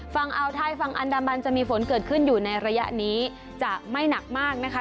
ฝั่งอ่าวไทยฝั่งอันดามันจะมีฝนเกิดขึ้นอยู่ในระยะนี้จะไม่หนักมากนะคะ